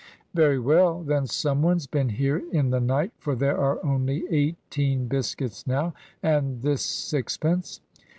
"Very well; then some one's been here in the night, for there are only eighteen biscuits now, and this sixpence."